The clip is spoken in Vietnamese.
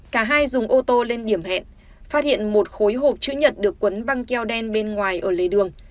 cả hai dùng ô tô lên điểm hẹn phát hiện một khối hộp chữ nhật được quấn băng keo đen bên ngoài ở lề đường